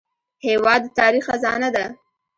هېواد د تاریخ خزانه ده.